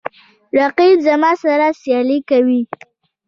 رقیب زما سره سیالي کوي